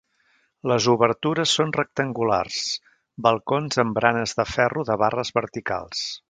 Les obertures són rectangulars, balcons amb baranes de ferro de barres verticals.